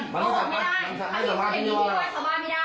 ผมไม่ได้บอกให้คุณกลัว